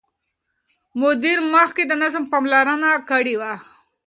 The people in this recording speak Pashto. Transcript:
مدیر مخکې د نظم پاملرنه کړې وه.